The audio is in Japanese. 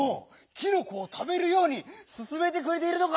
きのこをたべるようにすすめてくれているのか！